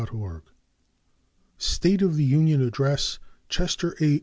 00 State of the Union Address Chester A.